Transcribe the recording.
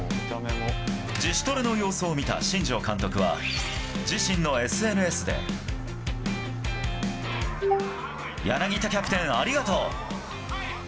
自主トレの様子を見た新庄監督は自身のＳＮＳで柳田キャプテン、ありがとう！